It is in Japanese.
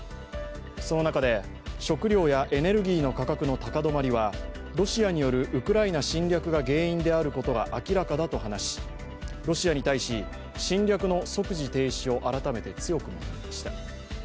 その中で、食糧やエネルギーの価格の高止まりはロシアによるウクライナ侵略が原因であることが明らかだと話し、ロシアに対し侵略の即時停止を改めて強く求めました。